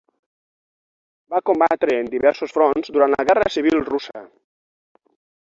Va combatre en diversos fronts durant la Guerra Civil Russa.